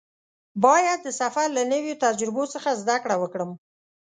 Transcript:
باید د سفر له نویو تجربو څخه زده کړه وکړم.